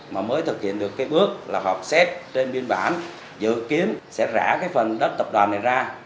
mà mới thực hiện được cái bước là họp xét trên biên bản dự kiến sẽ trả cái phần đất tập đoàn này ra